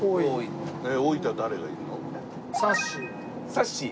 さっしー。